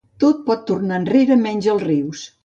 Tot pot tornar enrere menys els rius.